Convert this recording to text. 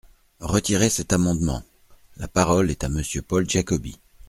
Retirez cet amendement ! La parole est à Monsieur Paul Giacobbi.